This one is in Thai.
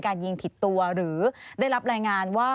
การยิงปืนแบบไหน